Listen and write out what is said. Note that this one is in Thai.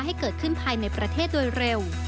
ให้เกิดขึ้นภายในประเทศโดยเร็ว